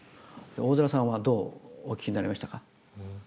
大空さんはどうお聞きになりましたか？